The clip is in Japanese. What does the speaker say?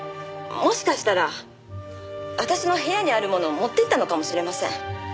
もしかしたら私の部屋にあるものを持っていったのかもしれません。